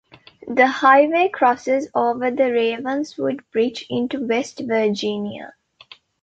The highway crosses over the Ravenswood Bridge into West Virginia.